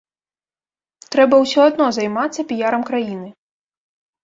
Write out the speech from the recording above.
Трэба ўсё адно займацца піярам краіны.